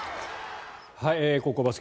高校バスケ